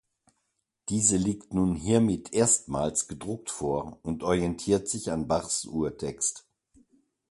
Diese liegt nun hiermit erstmals gedruckt vor und orientiert sich an Bachs Urtext.